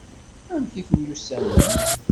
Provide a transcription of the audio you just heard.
Amek i temyussanem?